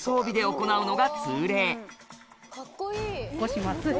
起こします。